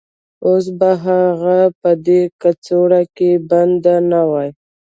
اوس به هغه په دې کڅوړه کې بنده نه وای